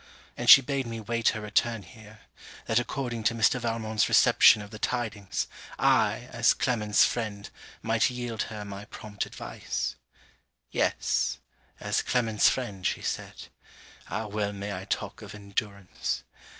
And she bade me wait her return here, that according to Mr. Valmont's reception of the tidings, I, as Clement's friend, might yield her my prompt advice. Yes! as Clement's friend, she said. Ah well may I talk of endurance!